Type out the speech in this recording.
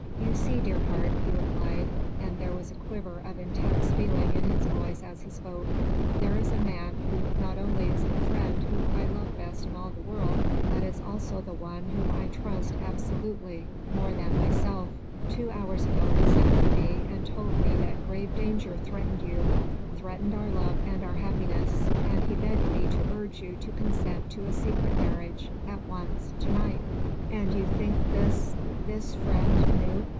"You see, dear heart," he replied, and there was a quiver of intense feeling in his voice as he spoke, "there is a man who not only is the friend whom I love best in all the world, but is also the one whom I trust absolutely, more than myself. Two hours ago he sent for me and told me that grave danger threatened you threatened our love and our happiness, and he begged me to urge you to consent to a secret marriage ... at once ... to night." "And you think this ... this friend knew?"